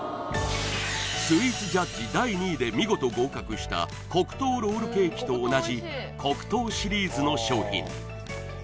スイーツジャッジ第２位で見事合格した黒糖ロールケーキと同じ黒糖シリーズの商品